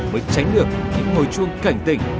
mới tránh được những ngồi chuông cảnh tỉnh